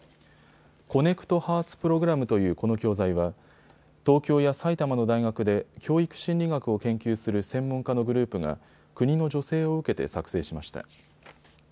ＣｏｎｎｅｃｔＨｅａｒｔｓＰｒｏｇｒａｍというこの教材は東京や埼玉の大学で教育心理学を研究する専門家のグループが国の助成を受けて作成しました。